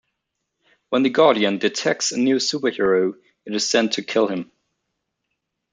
When the Guardian detects a new superhero, it is sent to kill him.